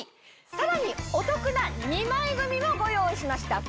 さらにお得な２枚組もご用意しました。